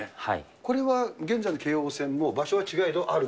これは、現在の京王線も、場所は違えどあると？